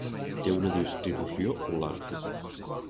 Té una distribució holàrtica.